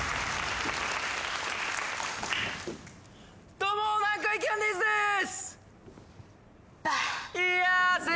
どうも南海キャンディーズです！